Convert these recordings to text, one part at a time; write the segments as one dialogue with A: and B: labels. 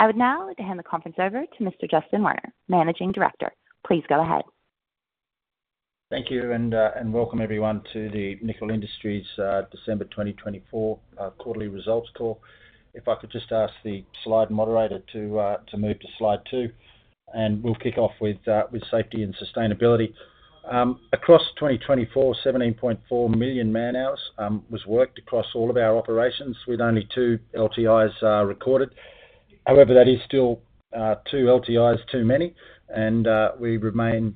A: I would now like to hand the conference over to Mr. Justin Werner, Managing Director. Please go ahead.
B: Thank you, and welcome everyone to the Nickel Industries December 2024 Quarterly Results Call. If I could just ask the slide moderator to move to slide two, and we'll kick off with safety and sustainability. Across 2024, 17.4 million man-hours was worked across all of our operations, with only two LTIs recorded. However, that is still two LTIs too many, and we remain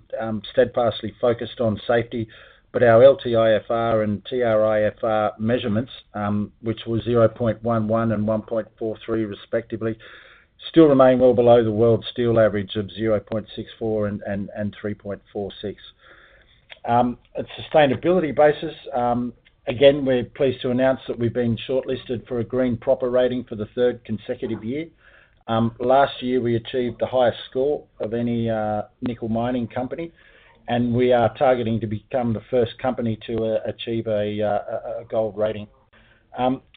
B: steadfastly focused on safety. But our LTIFR and TRIFR measurements, which were 0.11 and 1.43 respectively, still remain well below the world steel average of 0.64 and 3.46. On a sustainability basis, again, we're pleased to announce that we've been shortlisted for a Green PROPER rating for the third consecutive year. Last year, we achieved the highest score of any nickel mining company, and we are targeting to become the first company to achieve a Gold rating.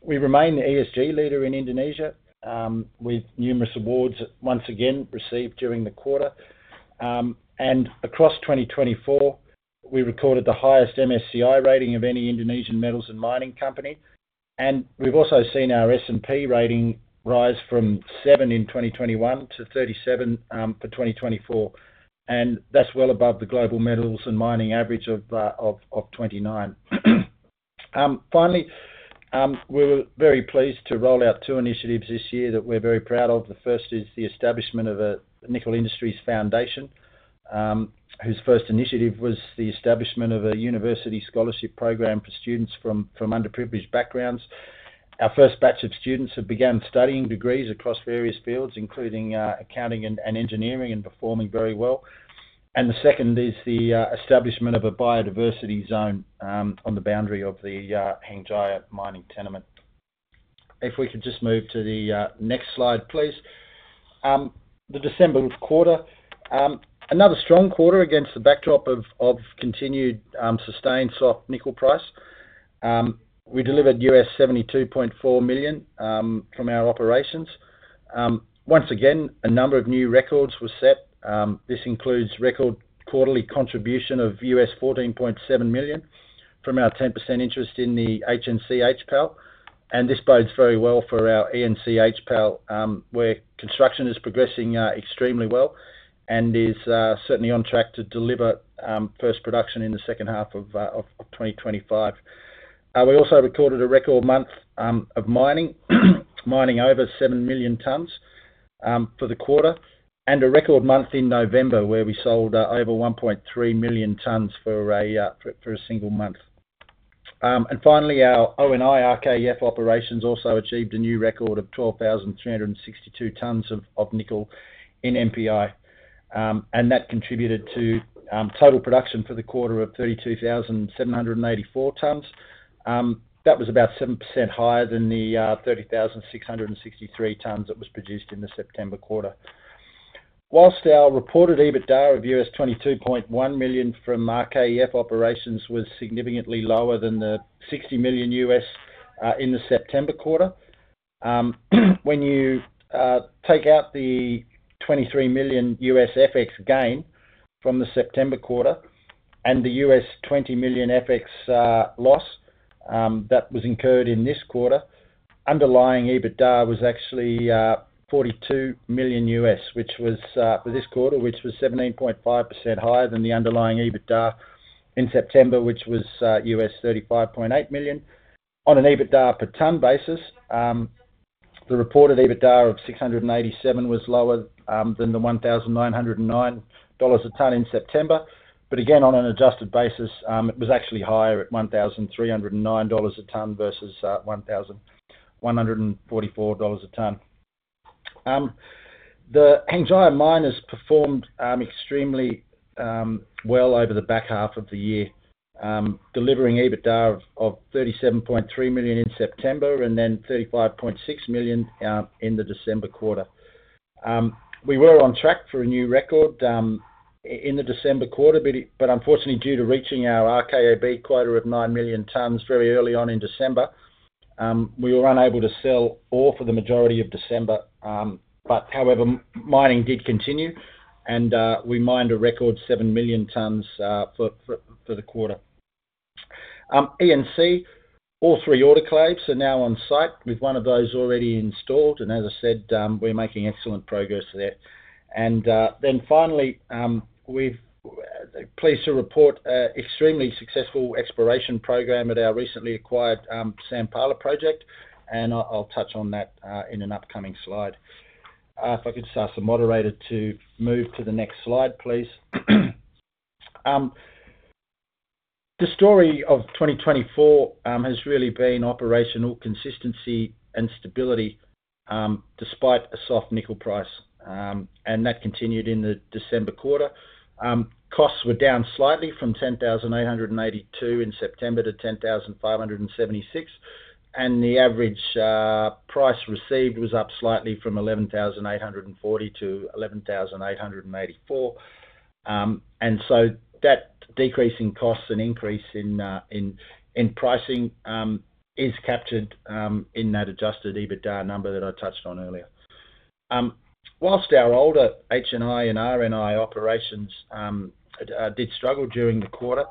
B: We remain the ESG leader in Indonesia, with numerous awards once again received during the quarter, and across 2024, we recorded the highest MSCI rating of any Indonesian metals and mining company, and we've also seen our S&P rating rise from seven in 2021 to 37 in 2024, and that's well above the global metals and mining average of 29. Finally, we were very pleased to roll out two initiatives this year that we're very proud of. The first is the establishment of a Nickel Industries Foundation, whose first initiative was the establishment of a university scholarship program for students from underprivileged backgrounds. Our first batch of students have begun studying degrees across various fields, including accounting and engineering, and performing very well, and the second is the establishment of a biodiversity zone on the boundary of the Hengjaya mining tenement. If we could just move to the next slide, please. The December quarter, another strong quarter against the backdrop of continued sustained soft nickel price. We delivered $72.4 million from our operations. Once again, a number of new records were set. This includes record quarterly contribution of $14.7 million from our 10% interest in the HNC HPAL, and this bodes very well for our ENC HPAL, where construction is progressing extremely well and is certainly on track to deliver first production in the second half of 2025. We also recorded a record month of mining, mining over seven million tons for the quarter, and a record month in November where we sold over 1.3 million tons for a single month. And finally, our ONI RKEF operations also achieved a new record of 12,362 tons of nickel in NPI, and that contributed to total production for the quarter of 32,784 tons. That was about 7% higher than the 30,663 tons that was produced in the September quarter. While our reported EBITDA of $22.1 million from RKEF operations was significantly lower than the $60 million in the September quarter, when you take out the $23 million FX gain from the September quarter and the $20 million FX loss that was incurred in this quarter, underlying EBITDA was actually $42 million, which was for this quarter, which was 17.5% higher than the underlying EBITDA in September, which was $35.8 million. On an EBITDA per ton basis, the reported EBITDA of $687 was lower than the $1,909 a ton in September, but again, on an adjusted basis, it was actually higher at $1,309 a ton versus $1,144 a ton. The Hengjaya mine has performed extremely well over the back half of the year, delivering EBITDA of $37.3 million in September and then $35.6 million in the December quarter. We were on track for a new record in the December quarter, but unfortunately, due to reaching our RKAB quota of 9 million tons very early on in December, we were unable to sell all for the majority of December. But however, mining did continue, and we mined a record 7 million tons for the quarter. ENC, all three autoclaves are now on site with one of those already installed, and as I said, we're making excellent progress there. And then finally, we're pleased to report an extremely successful exploration program at our recently acquired Sampala project, and I'll touch on that in an upcoming slide. If I could just ask the moderator to move to the next slide, please. The story of 2024 has really been operational consistency and stability despite a soft nickel price, and that continued in the December quarter. Costs were down slightly from $10,882 in September to $10,576, and the average price received was up slightly from $11,840 to $11,884, and so that decrease in costs and increase in pricing is captured in that adjusted EBITDA number that I touched on earlier. Whilst our older HNI and RNI operations did struggle during the quarter,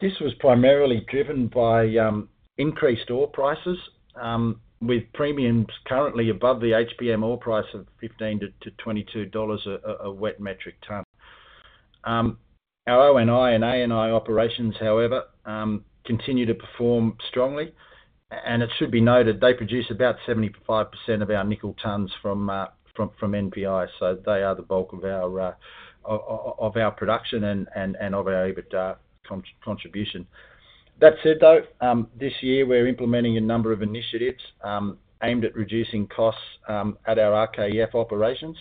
B: this was primarily driven by increased ore prices, with premiums currently above the HPM ore price of $15-$22 a wet metric ton. Our ONI and ANI operations, however, continue to perform strongly, and it should be noted they produce about 75% of our nickel tons from NPI, so they are the bulk of our production and of our EBITDA contribution. That said, though, this year we're implementing a number of initiatives aimed at reducing costs at our RKEF operations,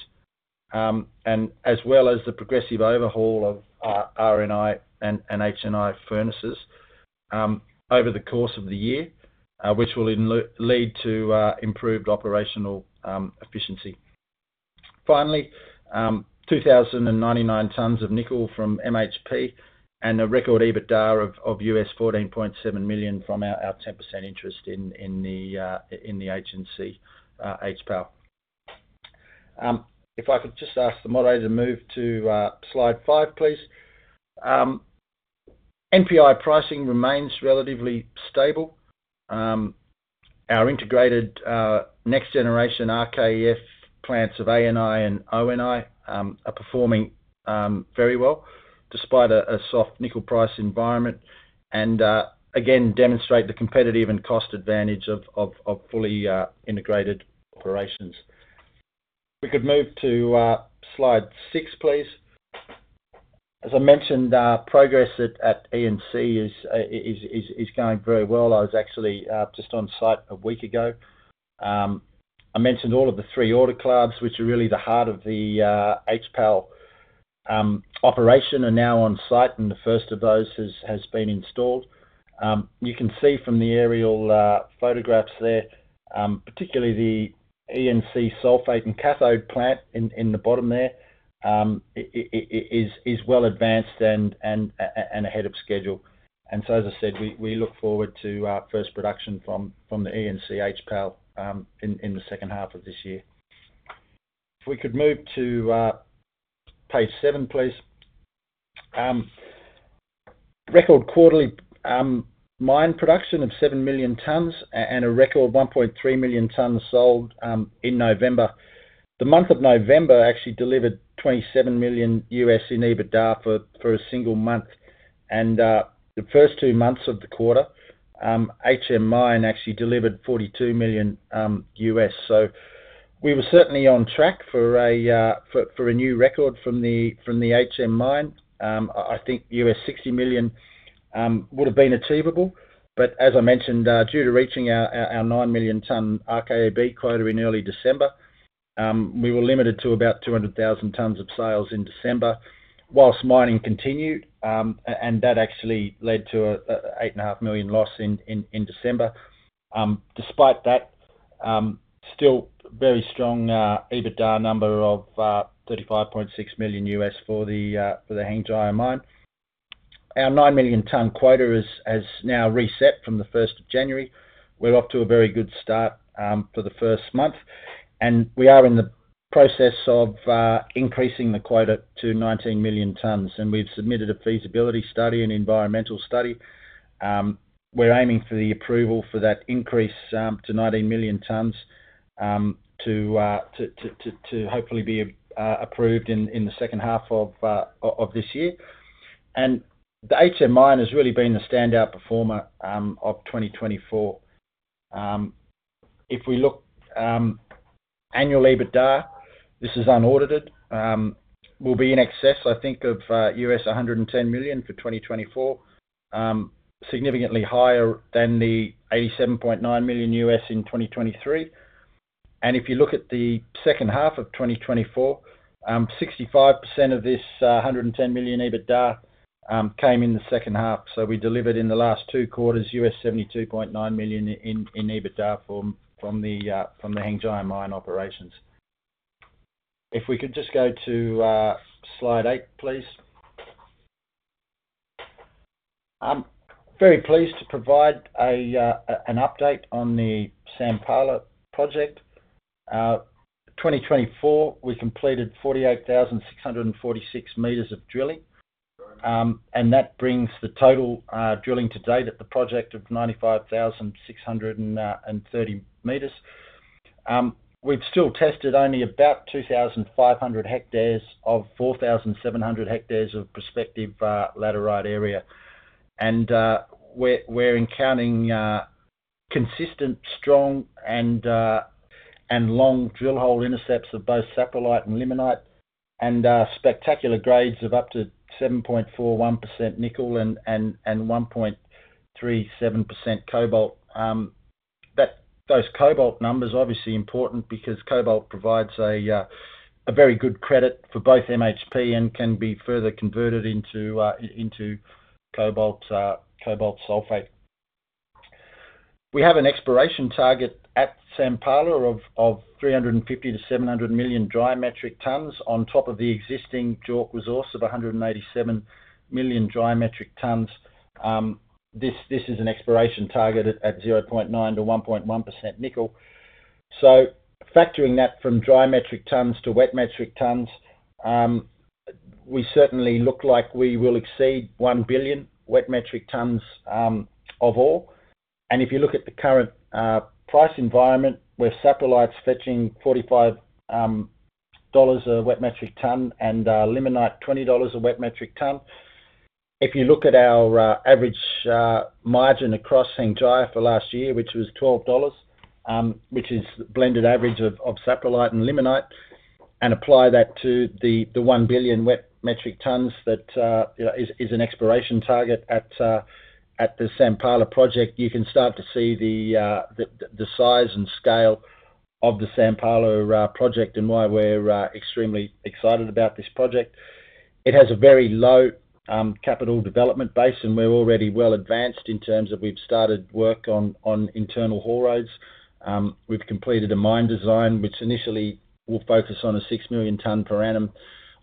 B: as well as the progressive overhaul of RNI and HNI furnaces over the course of the year, which will lead to improved operational efficiency. Finally, 2,099 tons of nickel from MHP and a record EBITDA of $14.7 million from our 10% interest in the HNC HPAL. If I could just ask the moderator to move to slide five, please. NPI pricing remains relatively stable. Our integrated next-generation RKEF plants of ANI and ONI are performing very well despite a soft nickel price environment and again demonstrate the competitive and cost advantage of fully integrated operations. We could move to slide six, please. As I mentioned, progress at ENC is going very well. I was actually just on site a week ago. I mentioned all of the three autoclaves, which are really the heart of the HPAL operation, are now on site, and the first of those has been installed. You can see from the aerial photographs there, particularly the ENC sulfate and cathode plant in the bottom there, is well advanced and ahead of schedule, and so, as I said, we look forward to first production from the ENC HPAL in the second half of this year. If we could move to page seven, please. Record quarterly mine production of seven million tons and a record 1.3 million tons sold in November. The month of November actually delivered $27 million in EBITDA for a single month, and the first two months of the quarter, HM Mine actually delivered $42 million, so we were certainly on track for a new record from the HM Mine. I think $60 million would have been achievable, but as I mentioned, due to reaching our nine million ton RKAB quota in early December, we were limited to about 200,000 tons of sales in December while mining continued, and that actually led to an $8.5 million loss in December. Despite that, still very strong EBITDA number of $35.6 million for the Hengjaya Mine. Our nine million ton quota has now reset from the 1st of January. We're off to a very good start for the first month, and we are in the process of increasing the quota to 19 million tons, and we've submitted a feasibility study and environmental study. We're aiming for the approval for that increase to 19 million tons to hopefully be approved in the second half of this year. The Hengjaya Mine has really been the standout performer of 2024. If we look at annual EBITDA, this is unaudited. We'll be in excess, I think, of $110 million for 2024, significantly higher than the $87.9 million in 2023. If you look at the second half of 2024, 65% of this $110 million EBITDA came in the second half. We delivered in the last two quarters $72.9 million in EBITDA from the Hengjaya Mine operations. If we could just go to slide eight, please. I'm very pleased to provide an update on the Sampala project. In 2024, we completed 48,646 meters of drilling, and that brings the total drilling to date at the project of 95,630 meters. We've still tested only about 2,500 hectares of 4,700 hectares of prospective laterite area, and we're encountering consistent, strong, and long drill hole intercepts of both saprolite and limonite, and spectacular grades of up to 7.41% nickel and 1.37% cobalt. Those cobalt numbers are obviously important because cobalt provides a very good credit for both MHP and can be further converted into cobalt sulfate. We have an exploration target at Sampala of 350-700 million dry metric tons on top of the existing JORC resource of 187 million dry metric tons. This is an exploration target at 0.9-1.1% nickel. So factoring that from dry metric tons to wet metric tons, we certainly look like we will exceed 1 billion wet metric tons of all. If you look at the current price environment, we're seeing saprolites fetching $45 a wet metric ton and limonite $20 a wet metric ton. If you look at our average margin across Hengjaya for last year, which was $12, which is the blended average of saprolite and limonite, and apply that to the 1 billion wet metric tons that is an exploration target at the Sampala project, you can start to see the size and scale of the Sampala project and why we're extremely excited about this project. It has a very low capital development base, and we're already well advanced in terms of we've started work on internal haul roads. We've completed a mine design, which initially will focus on a 6 million ton per annum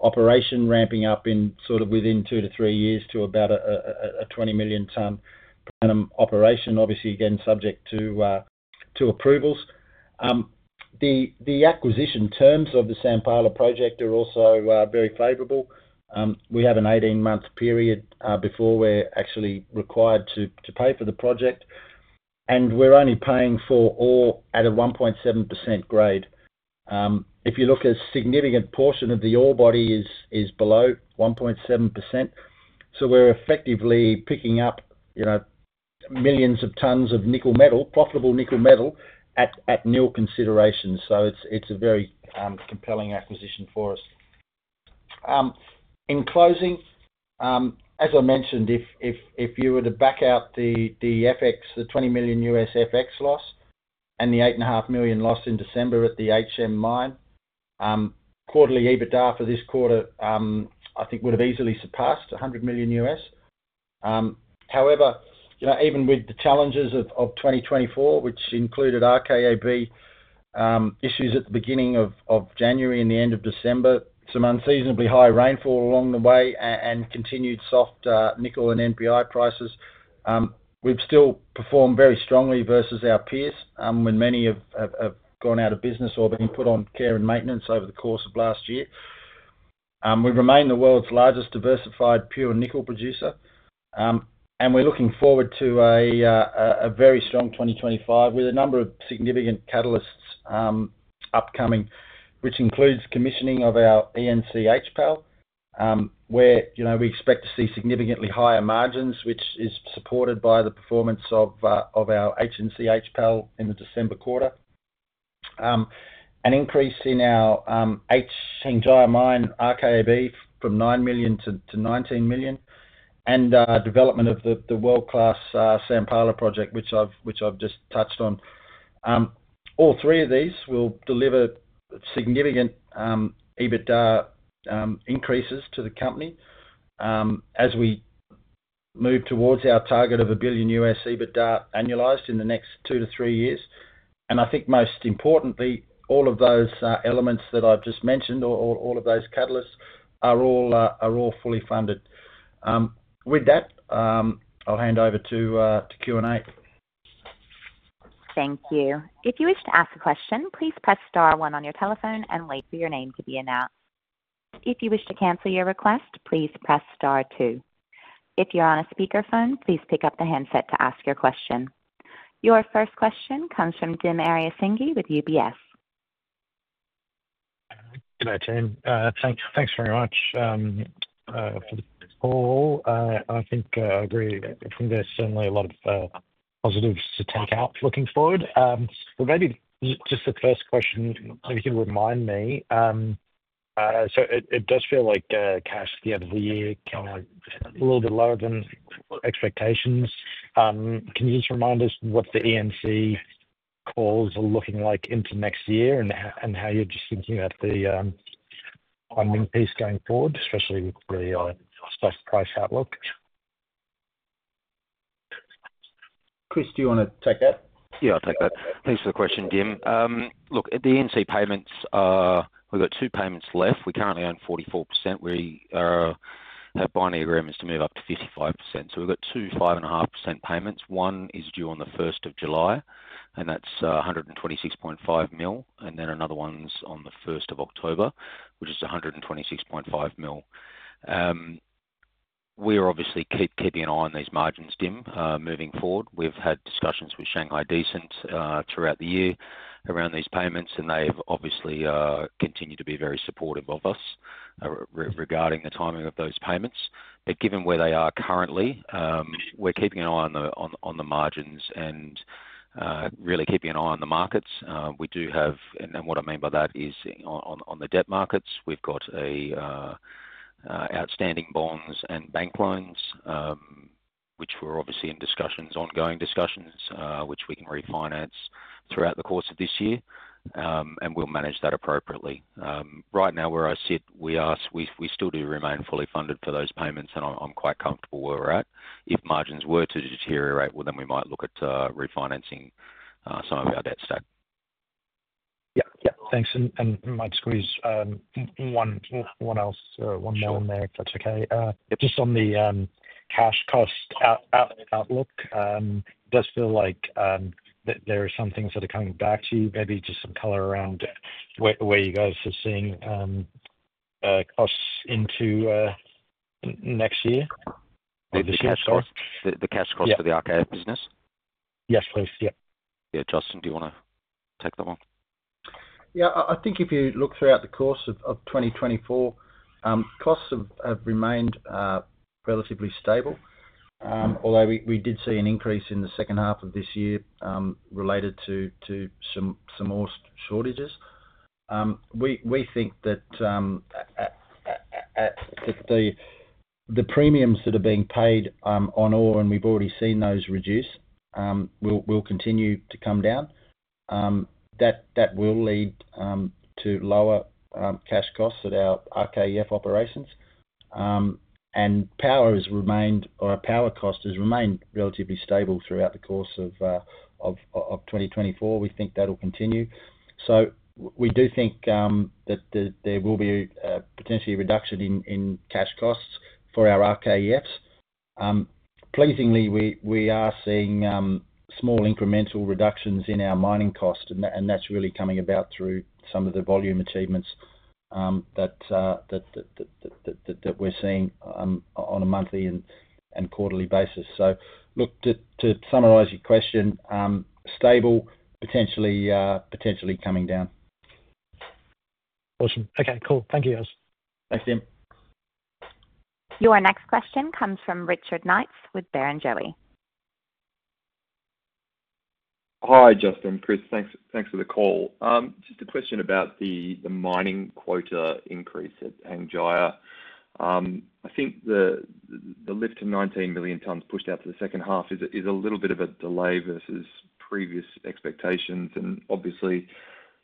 B: operation, ramping up in sort of within two to three years to about a 20 million ton per annum operation, obviously again subject to approvals. The acquisition terms of the Sampala project are also very favorable. We have an 18-month period before we're actually required to pay for the project, and we're only paying for all at a 1.7% grade. If you look at a significant portion of the ore body, it is below 1.7%. So we're effectively picking up millions of tons of nickel metal, profitable nickel metal at null consideration. So it's a very compelling acquisition for us. In closing, as I mentioned, if you were to back out the $20 million US FX loss and the $8.5 million loss in December at the HM Mine, quarterly EBITDA for this quarter, I think, would have easily surpassed $100 million. However, even with the challenges of 2024, which included RKAB issues at the beginning of January and the end of December, some unseasonably high rainfall along the way, and continued soft nickel and NPI prices, we've still performed very strongly versus our peers when many have gone out of business or been put on care and maintenance over the course of last year. We remain the world's largest diversified pure nickel producer, and we're looking forward to a very strong 2025 with a number of significant catalysts upcoming, which includes commissioning of our ENC HPAL, where we expect to see significantly higher margins, which is supported by the performance of our HNC HPAL in the December quarter, an increase in our Hengjaya Mine RKAB from nine million to 19 million, and development of the world-class Sampala project, which I've just touched on. All three of these will deliver significant EBITDA increases to the company as we move towards our target of $1 billion EBITDA annualized in the next two to three years, and I think most importantly, all of those elements that I've just mentioned, all of those catalysts, are all fully funded. With that, I'll hand over to Q&A. Thank you.
A: If you wish to ask a question, please press star one on your telephone and wait for your name to be announced. If you wish to cancel your request, please press star two. If you're on a speakerphone, please pick up the handset to ask your question. Your first question comes from Dim Ariyasinghe with UBS.
C: Good day, team. Thanks very much for the call. I think there's certainly a lot of positives to take out looking forward. But maybe just the first question, if you could remind me. So it does feel like cash at the end of the year came out a little bit lower than expectations. Can you just remind us what the ENC calls are looking like into next year and how you're just thinking about the funding piece going forward, especially with the stock price outlook?
B: Chris, do you want to take that?
D: Yeah, I'll take that. Thanks for the question, Dim. Look, the ENC payments, we've got two payments left. We currently own 44%. We have binding agreements to move up to 55%. So we've got two 5.5% payments. One is due on the 1st of July, and that's $126.5 million. And then another one's on the 1st of October, which is $126.5 million. We are obviously keeping an eye on these margins, Dim, moving forward. We've had discussions with Shanghai Decent throughout the year around these payments, and they've obviously continued to be very supportive of us regarding the timing of those payments. But given where they are currently, we're keeping an eye on the margins and really keeping an eye on the markets. We do have, and what I mean by that is on the debt markets, we've got outstanding bonds and bank loans, which we're obviously in discussions, ongoing discussions, which we can refinance throughout the course of this year, and we'll manage that appropriately. Right now, where I sit, we still do remain fully funded for those payments, and I'm quite comfortable where we're at. If margins were to deteriorate, well, then we might look at refinancing some of our debt stack.
C: Yeah, yeah. Thanks. And might Squeeze one more, one more in there, if that's okay. Just on the cash cost outlook, it does feel like there are some things that are coming back to you, maybe just some color around where you guys are seeing costs into next year, or this year's costs.
D: The cash cost for the RKEF business?
C: Yes, please. Yeah.
D: Yeah. Justin, do you want to take that one?
B: Yeah. I think if you look throughout the course of 2024, costs have remained relatively stable, although we did see an increase in the second half of this year related to some ore shortages. We think that the premiums that are being paid on ore, and we've already seen those reduce, will continue to come down. That will lead to lower cash costs at our RKEF operations, and power has remained, or power cost has remained relatively stable throughout the course of 2024. We think that'll continue, so we do think that there will be a potentially reduction in cash costs for our RKEFs. Pleasingly, we are seeing small incremental reductions in our mining costs, and that's really coming about through some of the volume achievements that we're seeing on a monthly and quarterly basis, so look, to summarize your question, stable, potentially coming down.
C: Awesome. Okay. Cool. Thank you, guys.
B: Thanks, Dim.
A: Your next question comes from Richard Knights with Barrenjoey.
E: Hi, Justin. Chris, thanks for the call. Just a question about the mining quota increase at Hengjaya. I think the lift to 19 million tons pushed out to the second half is a little bit of a delay versus previous expectations. And obviously,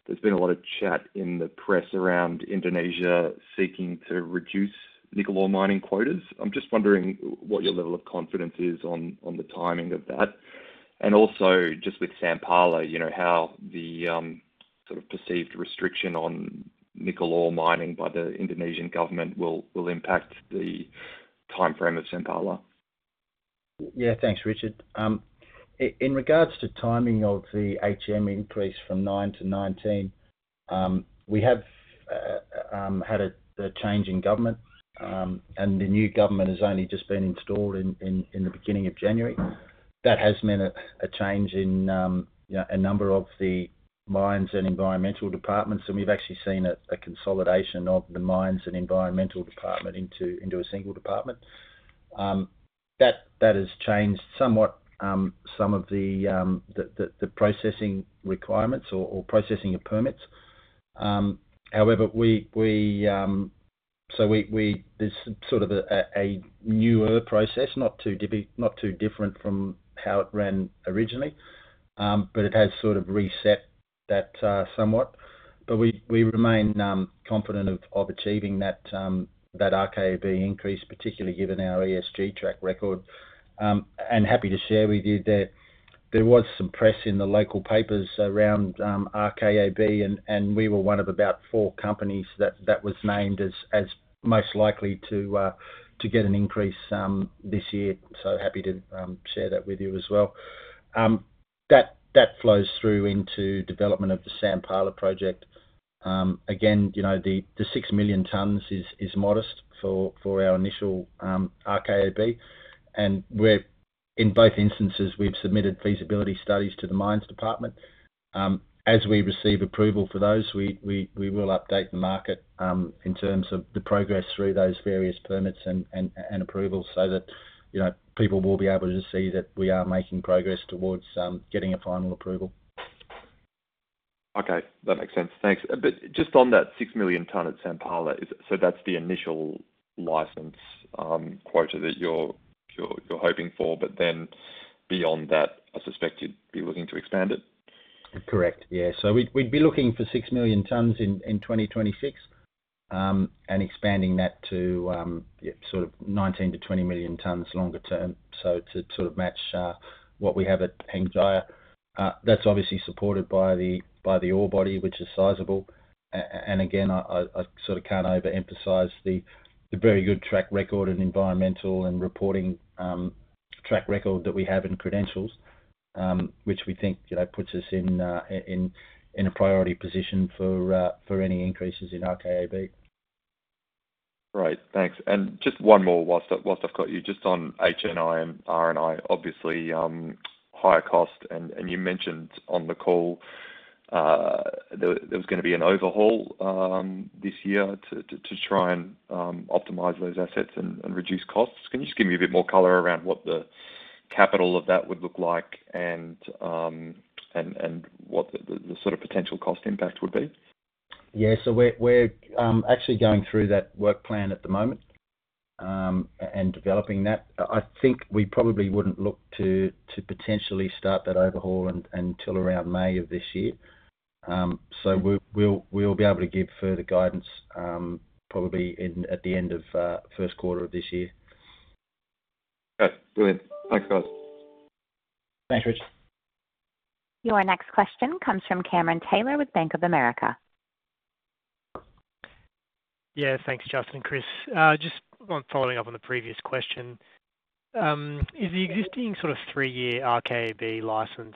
E: there's been a lot of chat in the press around Indonesia seeking to reduce nickel ore mining quotas. I'm just wondering what your level of confidence is on the timing of that. And also just with Sampala, how the sort of perceived restriction on nickel ore mining by the Indonesian government will impact the timeframe of Sampala.
B: Yeah. Thanks, Richard. In regards to timing of the HPM increase from nine to 19, we have had a change in government, and the new government has only just been installed in the beginning of January. That has meant a change in a number of the mines and environmental departments. We've actually seen a consolidation of the mines and environmental department into a single department. That has changed somewhat some of the processing requirements or processing of permits. However, so there's sort of a newer process, not too different from how it ran originally, but it has sort of reset that somewhat. We remain confident of achieving that RKAB increase, particularly given our ESG track record. And happy to share with you that there was some press in the local papers around RKAB, and we were one of about four companies that was named as most likely to get an increase this year. So happy to share that with you as well. That flows through into development of the Sampala project. Again, the six million tons is modest for our initial RKAB. And in both instances, we've submitted feasibility studies to the mines department. As we receive approval for those, we will update the market in terms of the progress through those various permits and approvals so that people will be able to see that we are making progress towards getting a final approval.
E: Okay. That makes sense. Thanks. But just on that 6 million ton at Sampala, so that's the initial license quota that you're hoping for, but then beyond that, I suspect you'd be looking to expand it?
B: Correct. Yeah. So we'd be looking for 6 million tons in 2026 and expanding that to sort of 19 to 20 million tons longer term so to sort of match what we have at Hengjaya. That's obviously supported by the ore body, which is sizable, and again, I sort of can't overemphasize the very good track record and environmental and reporting track record that we have in credentials, which we think puts us in a priority position for any increases in RKAB.
E: Right. Thanks. And just one more while I've got you. Just on HNI and RNI, obviously higher cost. And you mentioned on the call there was going to be an overhaul this year to try and optimize those assets and reduce costs. Can you just give me a bit more color around what the capital of that would look like and what the sort of potential cost impact would be?
B: Yeah. So we're actually going through that work plan at the moment and developing that. I think we probably wouldn't look to potentially start that overhaul until around May of this year. So we'll be able to give further guidance probably at the end of first quarter of this year.
E: Okay. Brilliant. Thanks, guys.
B: Thanks, Richard.
A: Your next question comes from Cameron Taylor with Bank of America.
F: Yeah. Thanks, Justin and Chris. Just following up on the previous question, is the existing sort of three-year RKAB license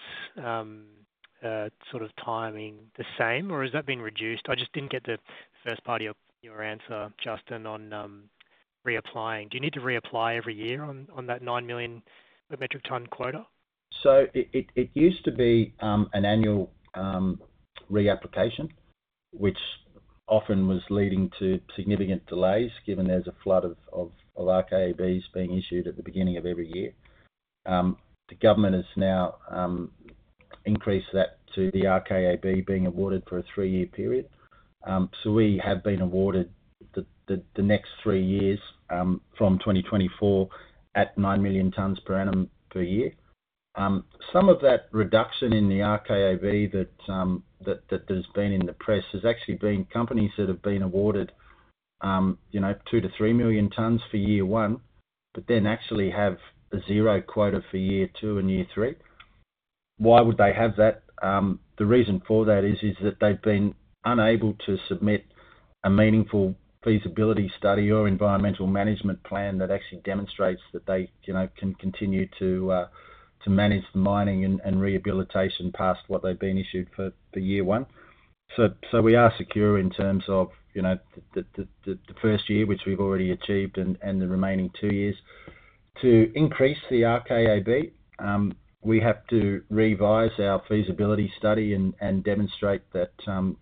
F: sort of timing the same, or has that been reduced? I just didn't get the first part of your answer, Justin, on reapplying. Do you need to reapply every year on that 9 million metric ton quota?
B: It used to be an annual reapplication, which often was leading to significant delays given there's a flood of RKABs being issued at the beginning of every year. The government has now increased that to the RKAB being awarded for a three-year period. We have been awarded the next three years from 2024 at nine million tons per annum per year. Some of that reduction in the RKAB that there's been in the press has actually been companies that have been awarded two to three million tons for year one, but then actually have a zero quota for year two and year three. Why would they have that? The reason for that is that they've been unable to submit a meaningful feasibility study or environmental management plan that actually demonstrates that they can continue to manage the mining and rehabilitation past what they've been issued for year one. We are secure in terms of the first year, which we've already achieved, and the remaining two years. To increase the RKAB, we have to revise our feasibility study and demonstrate that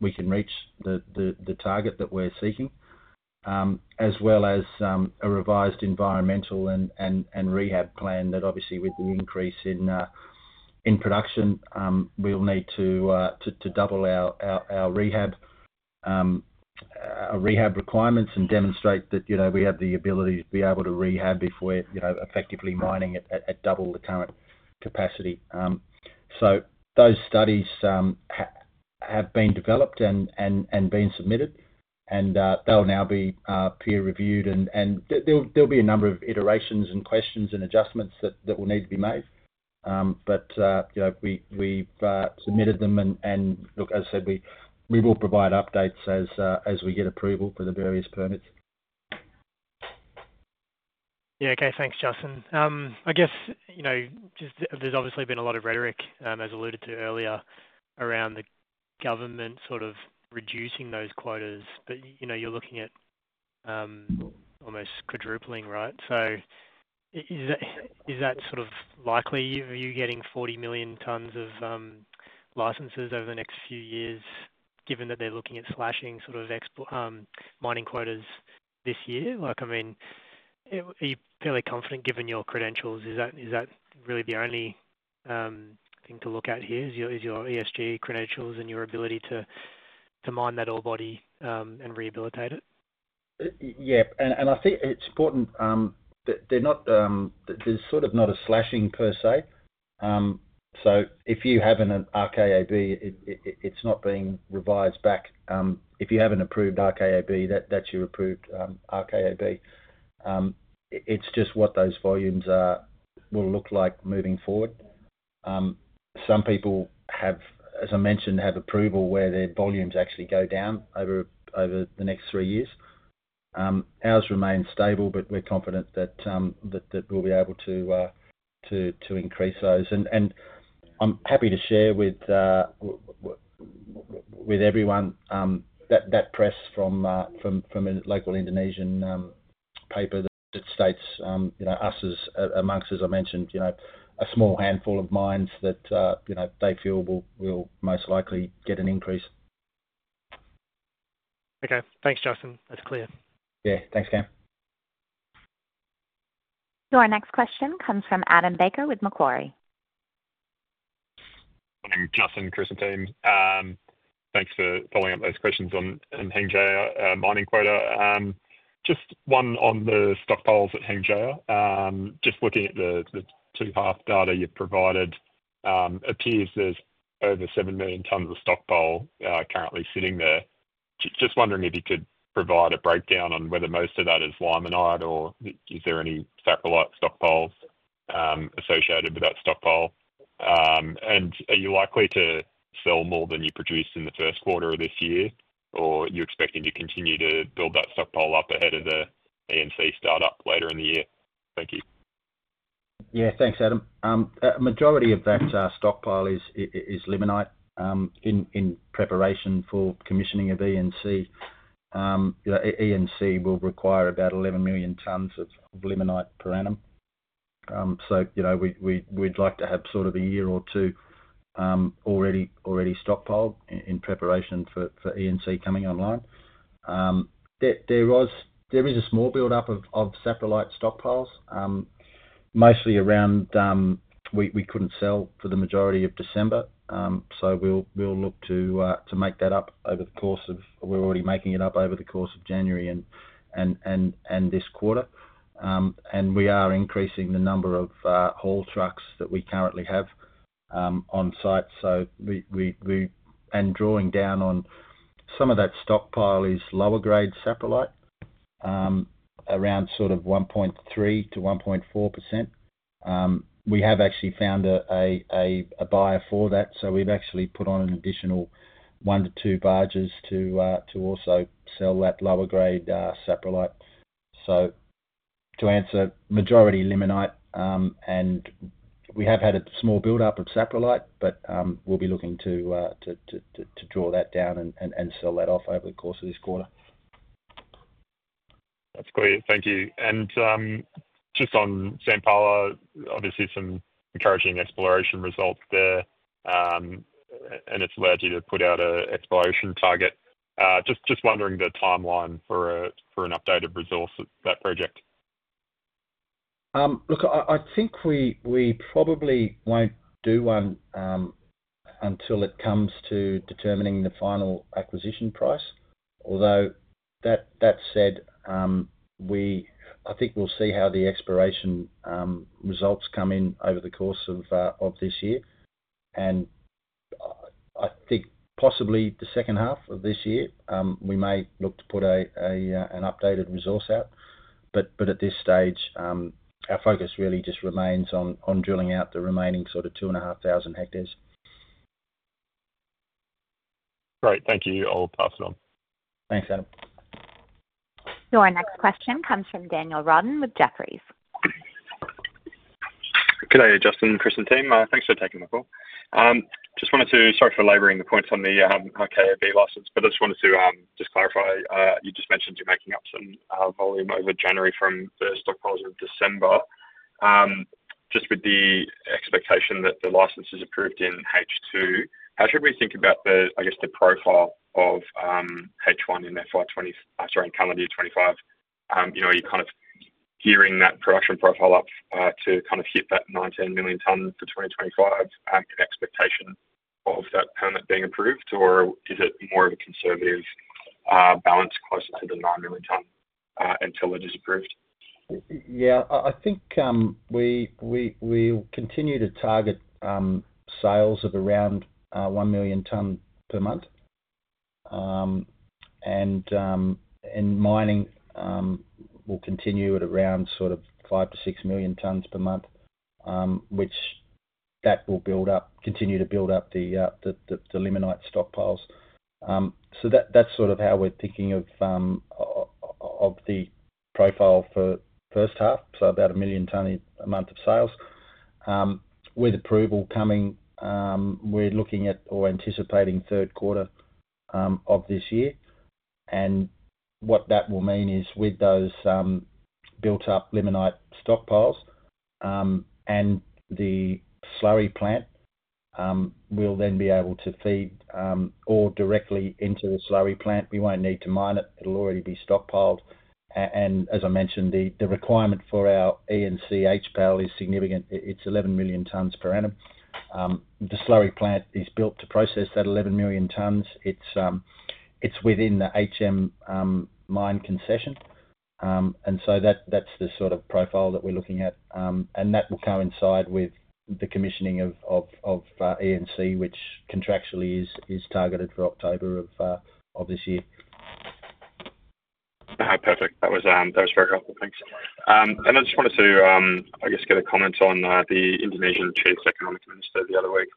B: we can reach the target that we're seeking, as well as a revised environmental and rehab plan that obviously, with the increase in production, we'll need to double our rehab requirements and demonstrate that we have the ability to be able to rehab before effectively mining at double the current capacity. Those studies have been developed and been submitted, and they'll now be peer-reviewed. There'll be a number of iterations and questions and adjustments that will need to be made. But we've submitted them. Look, as I said, we will provide updates as we get approval for the various permits.
F: Yeah. Okay. Thanks, Justin. I guess there's obviously been a lot of rhetoric, as alluded to earlier, around the government sort of reducing those quotas, but you're looking at almost quadrupling, right? So is that sort of likely? Are you getting 40 million tons of licenses over the next few years, given that they're looking at slashing sort of mining quotas this year? I mean, are you fairly confident given your credentials? Is that really the only thing to look at here? Is your ESG credentials and your ability to mine that ore body and rehabilitate it?
B: Yeah. And I think it's important that there's sort of not a slashing per se. So if you have an RKAB, it's not being revised back. If you have an approved RKAB, that's your approved RKAB. It's just what those volumes will look like moving forward. Some people have, as I mentioned, approval where their volumes actually go down over the next three years. Ours remain stable, but we're confident that we'll be able to increase those. And I'm happy to share with everyone that press from a local Indonesian paper that states us as among, as I mentioned, a small handful of mines that they feel will most likely get an increase.
F: Okay. Thanks, Justin. That's clear.
B: Yeah. Thanks, Cam.
A: Your next question comes from Adam Baker with Macquarie.
G: Justin, Chris. Thanks for following up those questions on Hengjaya mining quota. Just one on the stockpiles at Hengjaya. Just looking at the 2H data you've provided, it appears there's over seven million tons of stockpile currently sitting there. Just wondering if you could provide a breakdown on whether most of that is limonite or is there any saprolite stockpiles associated with that stockpile? And are you likely to sell more than you produced in the first quarter of this year, or are you expecting to continue to build that stockpile up ahead of the ENC startup later in the year? Thank you.
B: Yeah. Thanks, Adam. A majority of that stockpile is limonite in preparation for commissioning of ENC. ENC will require about 11 million tons of limonite per annum. So we'd like to have sort of a year or two already stockpiled in preparation for ENC coming online. There is a small buildup of saprolite stockpiles, mostly around we couldn't sell for the majority of December. So we'll look to make that up. We're already making it up over the course of January and this quarter. And we are increasing the number of haul trucks that we currently have on site. And drawing down on some of that stockpile is lower-grade saprolite around sort of 1.3%-1.4%. We have actually found a buyer for that. So we've actually put on an additional one to two barges to also sell that lower-grade saprolite. So to answer, majority limonite. We have had a small buildup of saprolite, but we'll be looking to draw that down and sell that off over the course of this quarter.
G: That's great. Thank you. And just on Sampala, obviously, some encouraging exploration results there, and it's allowed you to put out an exploration target. Just wondering the timeline for an updated result of that project?
B: Look, I think we probably won't do one until it comes to determining the final acquisition price. Although that said, I think we'll see how the exploration results come in over the course of this year, and I think possibly the second half of this year, we may look to put an updated resource out, but at this stage, our focus really just remains on drilling out the remaining sort of 2,500 hectares.
G: Great. Thank you. I'll pass it on.
B: Thanks, Adam. Your next question comes from Daniel Roden with Jefferies.
H: Good day, Justin, Chris. Thanks for taking the call. Just wanted to, sorry for laboring the points on the RKEF license, but I just wanted to just clarify. You just mentioned you're making up some volume over January from the stockpiles of December, just with the expectation that the license is approved in H2. How should we think about the, I guess, the profile of H1 in FY, sorry, in calendar year 2025? Are you kind of gearing that production profile up to kind of hit that 9 to 10 million tons for 2025 in expectation of that permit being approved, or is it more of a conservative balance closer to the 9 million ton until it is approved?
B: Yeah. I think we'll continue to target sales of around 1 million tons per month, and in mining, we'll continue at around sort of 5-6 million tons per month, which will build up, continue to build up the limonite stockpiles, so that's sort of how we're thinking of the profile for the first half, so about a million tons a month of sales. With approval coming, we're looking at or anticipating third quarter of this year, and what that will mean is with those built-up limonite stockpiles and the slurry plant, we'll then be able to feed ore directly into the slurry plant. We won't need to mine it. It'll already be stockpiled, and as I mentioned, the requirement for our ENC HPAL is significant. It's 11 million tons per annum. The slurry plant is built to process that 11 million tons. It's within the Hengjaya Mine concession. And so that's the sort of profile that we're looking at. And that will coincide with the commissioning of ENC, which contractually is targeted for October of this year.
H: Perfect. That was very helpful. Thanks, and I just wanted to, I guess, get a comment on the statement the Indonesian Chief Economic Minister made the other week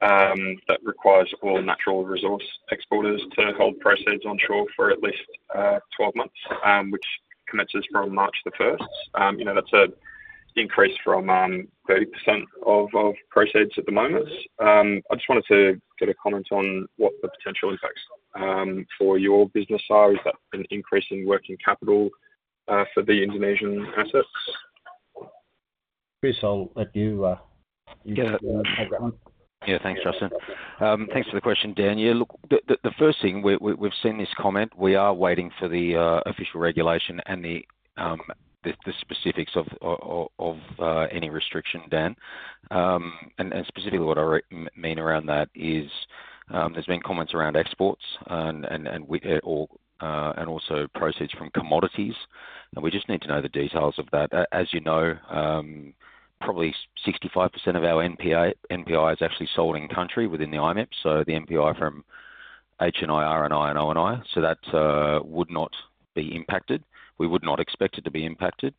H: that requires all natural resource exporters to hold proceeds onshore for at least 12 months, which commences from March the 1st. That's an increase from 30% of proceeds at the moment. I just wanted to get a comment on what the potential impacts for your business are. Is that an increase in working capital for the Indonesian assets?
B: Chris, I'll let you take that one.
D: Yeah. Thanks, Justin. Thanks for the question, Dan. Yeah. Look, the first thing, we've seen this comment. We are waiting for the official regulation and the specifics of any restriction, Dan. And specifically, what I mean around that is there's been comments around exports and also proceeds from commodities. And we just need to know the details of that. As you know, probably 65% of our NPI is actually sold in country within the IMIP. So the NPI from HNI, RNI, and ONI. So that would not be impacted. We would not expect it to be impacted.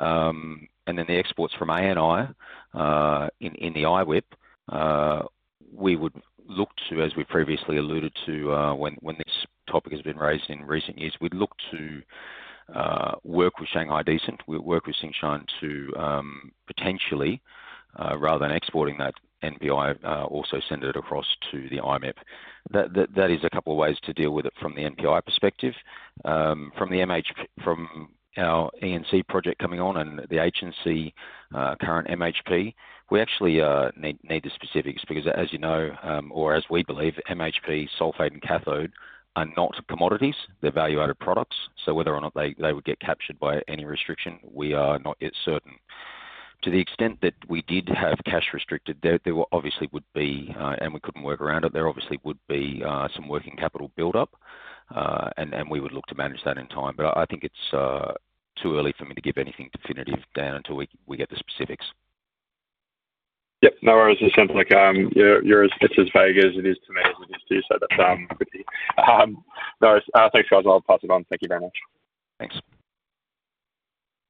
D: And then the exports from ANI in the IWIP, we would look to, as we previously alluded to when this topic has been raised in recent years, we'd look to work with Shanghai Decent, work with Tsingshan to potentially, rather than exporting that NPI, also send it across to the IMIP. That is a couple of ways to deal with it from the NPI perspective. From our ENC project coming on and the HNC current MHP, we actually need the specifics because, as you know, or as we believe, MHP, sulfate, and cathode are not commodities. They're value-added products. So whether or not they would get captured by any restriction, we are not yet certain. To the extent that we did have cash restricted, there obviously would be, and we couldn't work around it, there obviously would be some working capital buildup, and we would look to manage that in time. But I think it's too early for me to give anything definitive, Dan, until we get the specifics.
H: Yep. No worries. It sounds like it's as vague as it is to me as it is to you. So that's quickly. No worries. Thanks, guys. I'll pass it on. Thank you very much.
D: Thanks.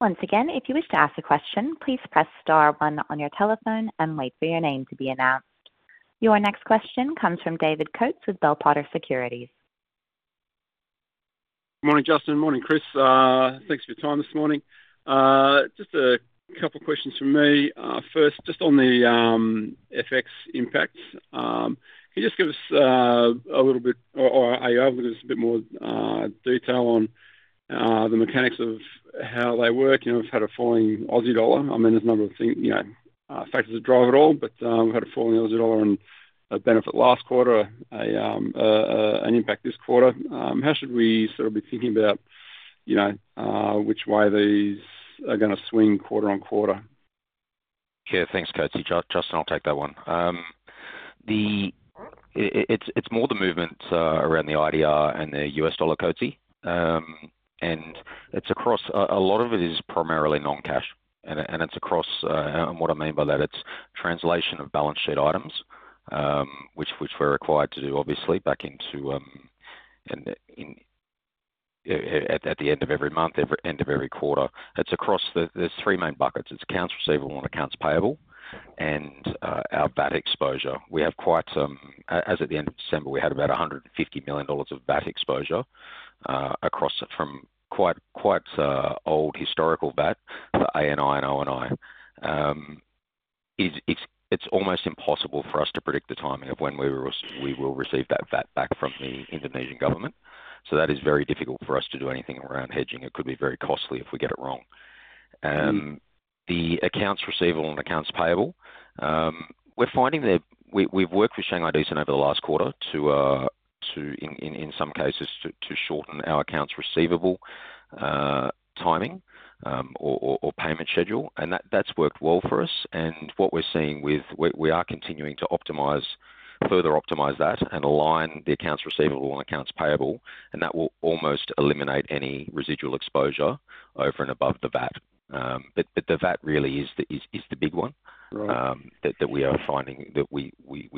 A: Once again, if you wish to ask a question, please press star one on your telephone and wait for your name to be announced. Your next question comes from David Coates with Bell Potter Securities.
I: Good morning, Justin. Morning, Chris. Thanks for your time this morning. Just a couple of questions from me. First, just on the FX impacts, can you just give us a little bit, or are you able to give us a bit more detail on the mechanics of how they work? We've had a falling Aussie dollar. I mean, there's a number of things, factors that drive it all, but we've had a falling Aussie dollar and a benefit last quarter, an impact this quarter. How should we sort of be thinking about which way these are going to swing quarter on quarter?
D: Yeah. Thanks, Coates. Justin, I'll take that one. It's more the movement around the IDR and the US dollar, Coatesy. And a lot of it is primarily non-cash. And what I mean by that, it's translation of balance sheet items, which we're required to do, obviously, back into AUD at the end of every month, end of every quarter. There's three main buckets. It's accounts receivable and accounts payable and our VAT exposure. We have quite some, as at the end of December, we had about $150 million of VAT exposure across from quite old historical VAT, the ANI and ONI. It's almost impossible for us to predict the timing of when we will receive that VAT back from the Indonesian government. So that is very difficult for us to do anything around hedging. It could be very costly if we get it wrong. The accounts receivable and accounts payable, we're finding that we've worked with Shanghai Decent over the last quarter to, in some cases, to shorten our accounts receivable timing or payment schedule, and that's worked well for us, and what we're seeing with, we are continuing to further optimize that and align the accounts receivable and accounts payable, and that will almost eliminate any residual exposure over and above the VAT, but the VAT really is the big one that we are finding that we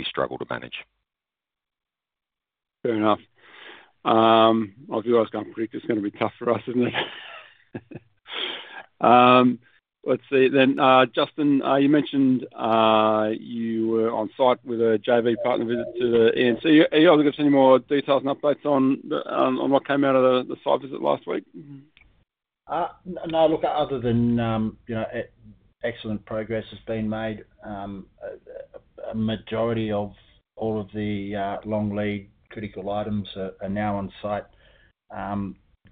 D: struggle to manage.
I: Fair enough. If you guys can't predict, it's going to be tough for us, isn't it? Let's see then. Justin, you mentioned you were on site with a JV partner visit to the ENC. Are you able to give us any more details and updates on what came out of the site visit last week?
B: No. Look, other than excellent progress has been made, a majority of all of the long lead critical items are now on site.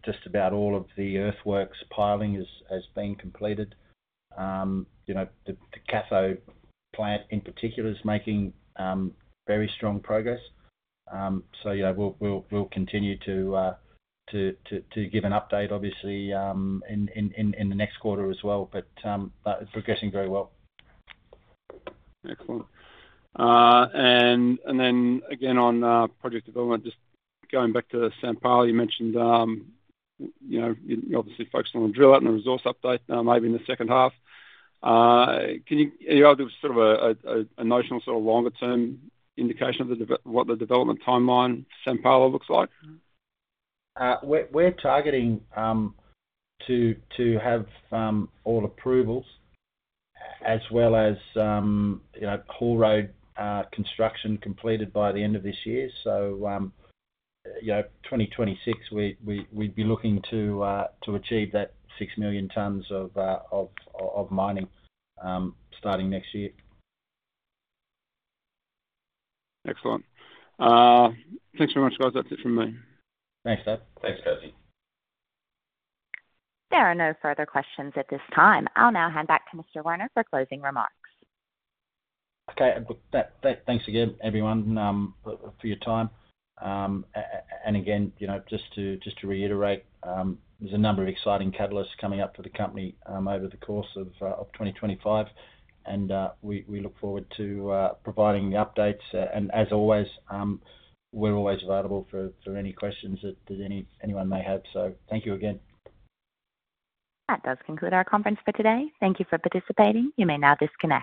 B: Just about all of the earthworks piling has been completed. The cathode plant in particular is making very strong progress. So we'll continue to give an update, obviously, in the next quarter as well. But progressing very well.
I: Excellent. And then again on project development, just going back to Sampala, you mentioned you're obviously focusing on the drill-out and the resource update maybe in the second half. Are you able to give sort of a notional sort of longer-term indication of what the development timeline for Sampala looks like?
B: We're targeting to have all approvals as well as haul road construction completed by the end of this year. So 2026, we'd be looking to achieve that 6 million tons of mining starting next year.
I: Excellent. Thanks very much, guys. That's it from me.
B: Thanks, Dan.
D: Thanks, Coates.
A: There are no further questions at this time. I'll now hand back to Mr. Werner for closing remarks.
B: Okay. Thanks again, everyone, for your time. And again, just to reiterate, there's a number of exciting catalysts coming up for the company over the course of 2025. And we look forward to providing the updates. And as always, we're always available for any questions that anyone may have. So thank you again.
A: That does conclude our conference for today. Thank you for participating. You may now disconnect.